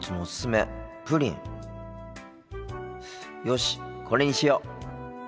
よしこれにしよう。